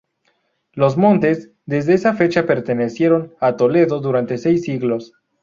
Los Montes, desde esa fecha pertenecieron a Toledo durante seis siglos.